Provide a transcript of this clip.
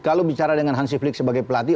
kalau bicara dengan hansi flick sebagai pelatih